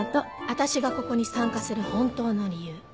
私がここに参加する本当の理由